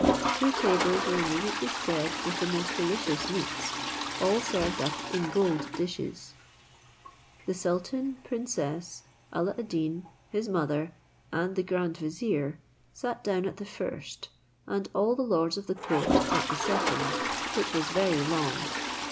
Two tables were immediately spread with the most delicious meats, all served up in gold dishes. The sultan, princess, Alla ad Deen, his mother, and the grand vizier, sat down at the first, and all the lords of the court at the second, which was very long.